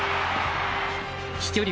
飛距離